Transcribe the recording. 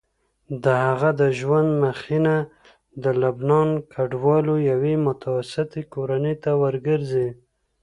د هغه د ژوند مخینه د لبنان کډوالو یوې متوسطې کورنۍ ته ورګرځي.